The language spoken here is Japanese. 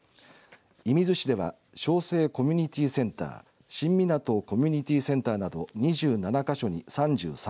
射水市では庄西コミュニティセンター新湊コミュニティーセンターなど２７か所に３３人